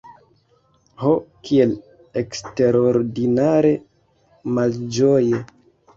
Ho, kiel eksterordinare malĝoje!